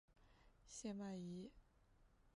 谢曼怡。